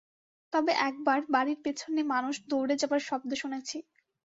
তবে এক বার বাড়ির পিছনে মানুষ দৌড়ে যাবার শব্দ শুনেছি।